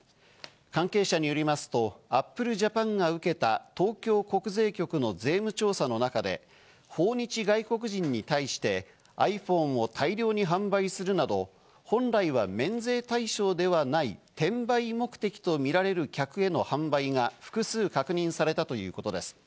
関係者によりますとアップルジャパンが受けた東京国税局の税務調査の中で訪日外国人に対して、ｉＰｈｏｎｅを大量に販売するなど、本来は免税対象ではない転売目的とみられる客への販売が複数確認されたということです。